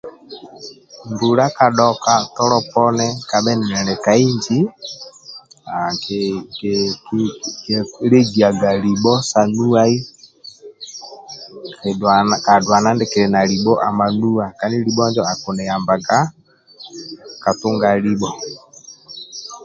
mbula ka dhoka tolo poni kaba ninilya kahinji nkilegiyaga libo sanuwai kadulana ndikili na libo amanuwa kandi libo injo akuniyambaga ka runga libo